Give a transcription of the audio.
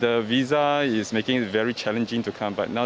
tapi visa ini membuatnya sangat menantang untuk datang